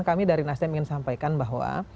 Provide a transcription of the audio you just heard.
kami dari nasdem ingin sampaikan bahwa